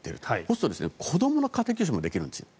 すると、子どもの家庭教師もできるんですよ。